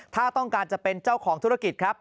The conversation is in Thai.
ถ้าต้องการจะเป็นเจ้าของธุรกิจครับ